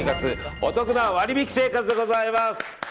おトクな割引生活でございます。